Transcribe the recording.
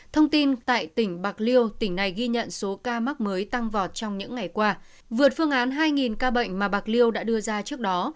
thông tin tại tỉnh bạc liêu tỉnh này ghi nhận số ca mắc mới tăng vọt trong những ngày qua vượt phương án hai ca bệnh mà bạc liêu đã đưa ra trước đó